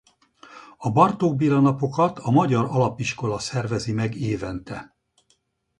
A Bartók Béla Napokat a magyar alapiskola szervezi meg évente.